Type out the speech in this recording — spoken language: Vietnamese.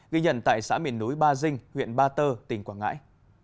ghi nhận tại xã miền núi ba dinh huyện ba tơ tỉnh quảng ngãi